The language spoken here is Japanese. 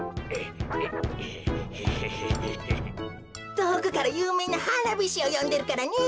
とおくからゆうめいなはなびしをよんでるからね。